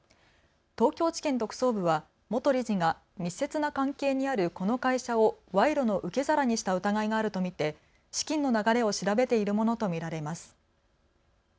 東京地検特捜部は元理事が密接な関係にあるこの会社を賄賂の受け皿にした疑いがあると見て資金の流れを調べているものと見られます。